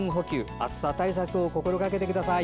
暑さ対策を心がけてください。